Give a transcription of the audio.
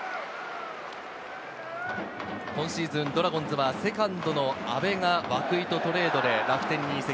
今シーズン、ドラゴンズはセカンドの阿部が涌井とトレードで楽天に移籍。